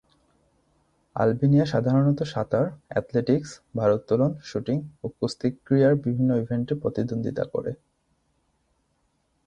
Albania সাধারণত সাঁতার, athletics, ভারোত্তোলন, শ্যুটিং ও কুস্তি ক্রীড়ার বিভিন্ন ইভেন্টে প্রতিদ্বন্দ্বিতা করে।